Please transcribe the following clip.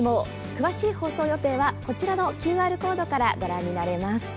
詳しい放送予定はこちらのＱＲコードからご覧になれます。